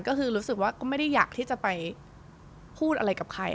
ก็คือรู้สึกว่าก็ไม่ได้อยากที่จะไปพูดอะไรกับใคร